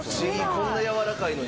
こんなやわらかいのにね。